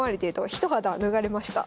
一肌脱がれました。